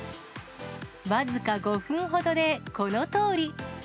僅か５分ほどで、このとおり。